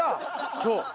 そう。